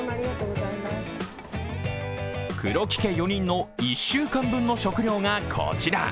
黒木家４人の１週間分の食料がこちら。